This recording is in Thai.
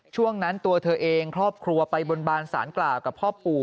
ช่วงนั้นตัวเธอเองครอบครัวไปบนบานสารกล่าวกับพ่อปู่